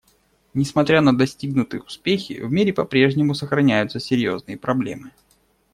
Несмотря на достигнутые успехи, в мире по-прежнему сохраняются серьезные проблемы.